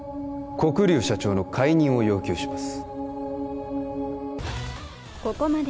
黒龍社長の解任を要求します